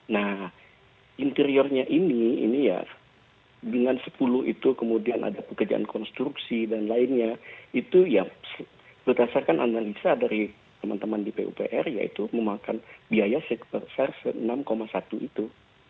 nah interiornya ini ini ya dengan sepuluh itu kemudian ada pekerjaan konstruksi dan lainnya itu ya berdasarkan analisa dari teman teman di pupr yaitu memakan biaya serse enam satu itu